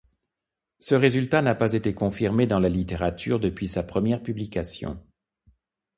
Ce résultat n'a pas été confirmé dans la littérature depuis sa première publication.